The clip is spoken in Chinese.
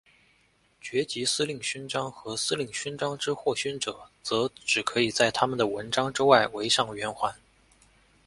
爵级司令勋章和司令勋章之获勋者则只可以在他们的纹章之外围上圆环。